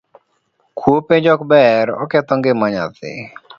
Kuo penj ok ber, oketho ngima nyathi